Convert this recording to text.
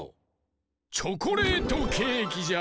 チョコレートケーキじゃ。